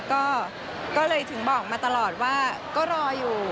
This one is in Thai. ก็เลยถึงบอกมาตลอดว่าก็รออยู่